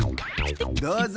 どうぞ。